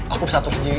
aku bisa atur sendiri